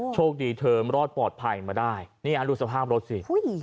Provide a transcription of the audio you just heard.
โชคดีเทิมรอดปลอดภัยมาได้นี่อันดุสภาพรถสิฮุ้ย